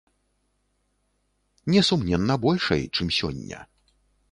Несумненна большай, чым сёння.